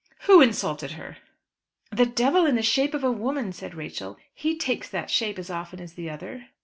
"Who insulted her?" "The devil in the shape of a woman," said Rachel. "He takes that shape as often as the other."